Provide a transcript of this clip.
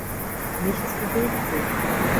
Nichts bewegt sich.